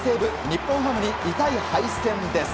日本ハムに痛い敗戦です。